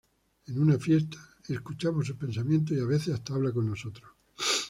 En una fiesta, escuchamos sus pensamientos y a veces hasta habla con nosotros.